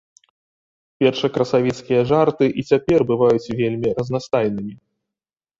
Першакрасавіцкія жарты і цяпер бываюць вельмі разнастайнымі.